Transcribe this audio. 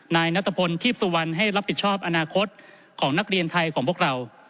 นายนัทพลทีพสุวรรณให้รับผิดชอบอนาคตของนักเรียนไทยของพวกเรา